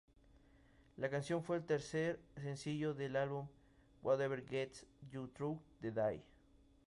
La canción fue el tercer sencillo del álbum "Whatever Gets You Through the Day".